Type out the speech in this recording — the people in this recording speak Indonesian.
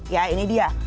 ya ini dia